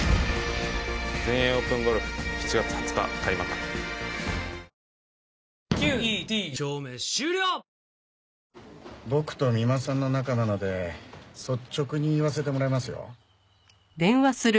家族で話そう帯状疱疹僕と三馬さんの仲なので率直に言わせてもらいますよ。